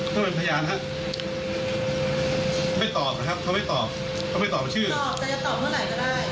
ต้องตอบจะตอบเมื่อไหร่ก็ได้